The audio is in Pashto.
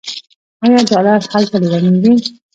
آیا ډالر هلته لیلامیږي؟